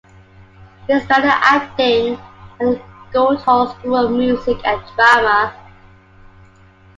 He studied acting at the Guildhall School of Music and Drama.